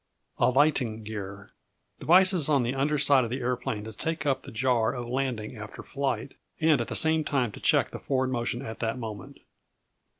Alighting Gear Devices on the under side of the aeroplane to take up the jar of landing after flight, and at the same time to check the forward motion at that moment.